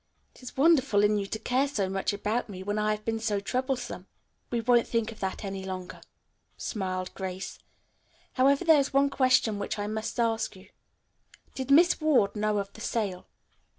"It is wonderful in you to care so much about me, when I have been so troublesome." "We won't think of that any longer," smiled Grace. "However, there is one question which I must ask you. Did Miss Ward know of the sale?"